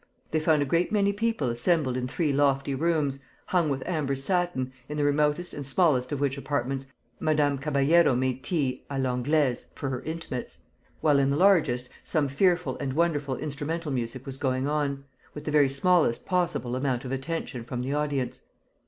They found a great many people assembled in three lofty rooms, hung with amber satin, in the remotest and smallest of which apartments Madame Caballero made tea à l'anglaise, for her intimates; while, in the largest, some fearful and wonderful instrumental music was going on, with the very smallest possible amount of attention from the audience.